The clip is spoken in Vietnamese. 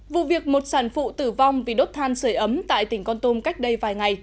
vụ việc một sản phụ tử vong vì đốt than sửa ấm tại tỉnh con tum cách đây vài ngày